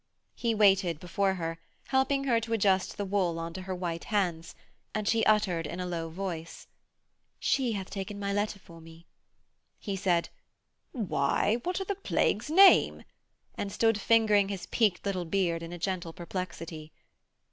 He waited before her, helping her to adjust the wool on to her white hands, and she uttered, in a low voice: 'She hath taken my letter for me.' He said, 'Why, what a' the plague's name ...' and stood fingering his peaked little beard in a gentle perplexity.